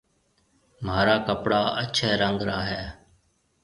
مهارا ڪپڙا اڇهيَ رنگ را هيَ۔